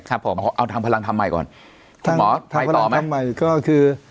ครับผมเอาทางพลังธรรมใหม่ก่อนคุณหมอทางพลังธรรมใหม่ก็คือ